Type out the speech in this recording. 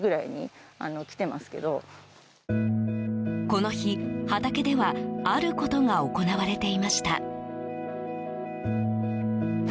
この日、畑ではあることが行われていました。